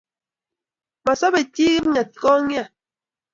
Masobei jii kipng'etkong'ia